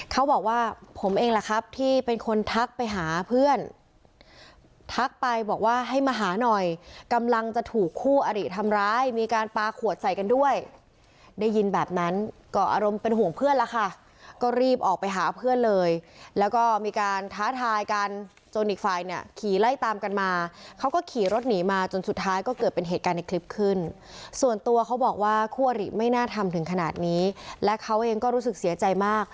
เขาบอกว่าผมเองละครับที่เป็นคนทักไปหาเพื่อนทักไปบอกว่าให้มาหาหน่อยกำลังจะถูกคู่อริทำร้ายมีการปลาขวดใส่กันด้วยได้ยินแบบนั้นก็อารมณ์เป็นห่วงเพื่อนละค่ะก็รีบออกไปหาเพื่อนเลยแล้วก็มีการท้าทายกันจนอีกฝ่ายเนี่ยขี่ไล่ตามกันมาเขาก็ขี่รถหนีมาจนสุดท้ายก็เกิดเป็นเหตุการณ์ในคลิปขึ้นส่วนตั